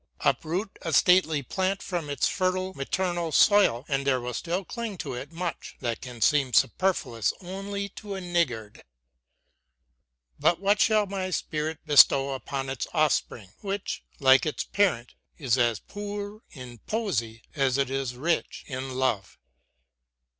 Uproot a stately plant from its fertile, maternal soil, and there will still cling lovingly to it much that can seem superfluous only to a niggard. But what shall my spirit bestow upon its offspring, which, like its parent, is as poor in poesy as it is rich in love?